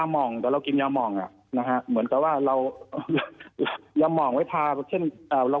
อาจารย์เดี๋ยวคือคุณสมบัติคุณสมบัติน่ะใช่